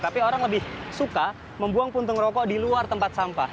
tapi orang lebih suka membuang puntung rokok di luar tempat sampah